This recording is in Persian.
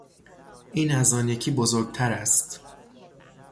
این از آن یکی بزرگتر است.